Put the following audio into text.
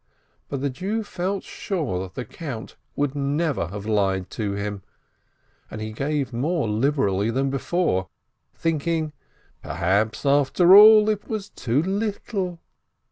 But the Jew felt sure that the Count would never have lied to him, and he gave more liberally than before, thinking, "Perhaps after all it was too little."